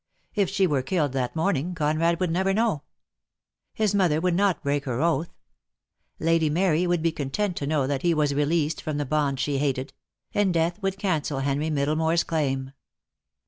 If she were killed that morning Conrad would never know, ■' His mother would not break her oath. Lady Mary would be content to know that he was released from the bond she hated; and Death would cancel Henry Middlemore's claim.